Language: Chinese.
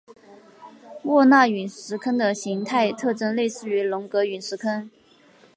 沃纳陨石坑的形态特征类似于龙格陨石坑。